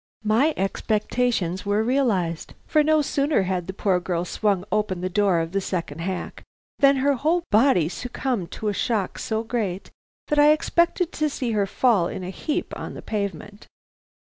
My expectations were realized; for no sooner had the poor girl swung open the door of the second hack, than her whole body succumbed to a shock so great that I expected to see her fall in a heap on the pavement.